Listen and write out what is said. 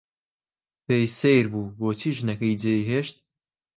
پێی سەیر بوو بۆچی ژنەکەی جێی هێشت.